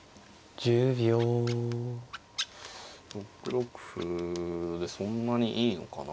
６六歩でそんなにいいのかなあ。